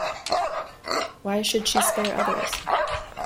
Why should she spare others?